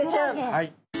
はい。